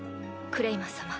クレイマン様。